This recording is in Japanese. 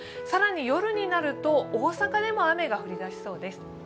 更に夜になると大阪でも雨が降り出しそうです。